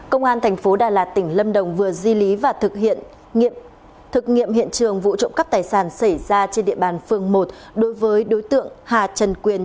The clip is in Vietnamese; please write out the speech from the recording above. công an tp đà lạt tỉnh lâm đồng vừa di lý và thực hiện nghiệm hiện trường vụ trộm cắp tài sản xảy ra trên địa bàn phương một đối với đối tượng hà trần quyền